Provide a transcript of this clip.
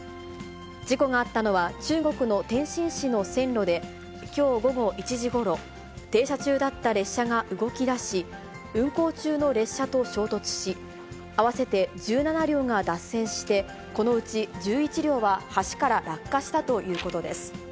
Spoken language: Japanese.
事故があったのは、中国の天津市の線路で、きょう午後１時ごろ、停車中だった列車が動きだし、運行中の列車と衝突し、合わせて１７両が脱線して、このうち１１両は橋から落下したということです。